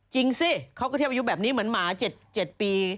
จริงสิเขาก็เทียบอายุแบบนี้เหมือนหมา๗ปี